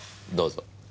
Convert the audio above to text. どうぞ。